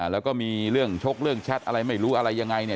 แล้วก็มีเรื่องชกเรื่องแชทอะไรไม่รู้อะไรยังไงเนี่ย